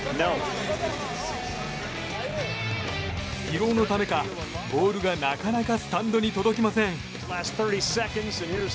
疲労のためかボールがなかなかスタンドに届きません。